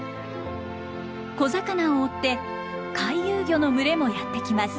小魚を追って回遊魚の群れもやって来ます。